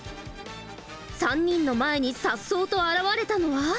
３人の前にさっそうと現れたのは。